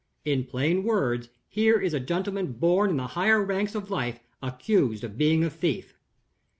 In plain words, here is a gentleman born in the higher ranks of life accused of being a thief.